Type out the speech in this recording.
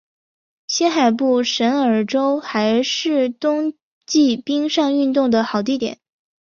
新罕布什尔州还是冬季冰上运动的好地点。